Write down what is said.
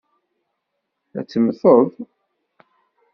Ad temteḍ.